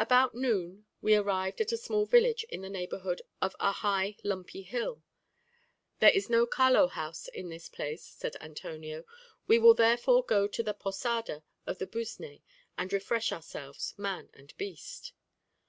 About noon we arrived at a small village in the neighborhood of a high lumpy hill. "There is no Caló house in this place," said Antonio: "we will therefore go to the posada of the Busné and refresh ourselves, man and beast."